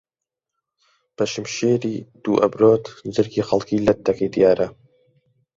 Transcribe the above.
بەشمشیری دوو ئەبرۆت جەرگی خەڵکی لەت دەکەی دیارە